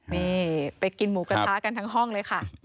นี่ไปกินหมูกระทะกันทั้งห้องเลยค่ะ